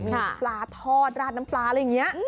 มีปลาทอดราดน้ำปลาอะไรอย่างนี้